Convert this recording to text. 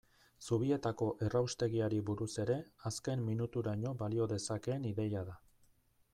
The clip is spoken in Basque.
Zubietako erraustegiari buruz ere, azken minuturaino balio dezakeen ideia da.